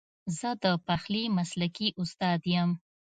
زه د پخلي مسلکي استاد یم